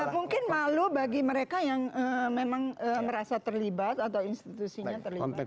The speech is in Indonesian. mungkin malu bagi mereka yang memang merasa terlibat atau institusinya terlibat